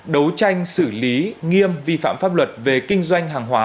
đấu tranh xử lý nghiêm vi phạm pháp luật về kinh doanh hàng hóa